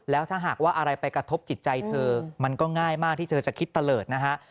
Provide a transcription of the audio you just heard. แล้วถ้าหากว่าอะไรไปกระทบจิตใจเธอมันก็ง่ายมากที่เธอจะคิดตะเลิศนะฮะ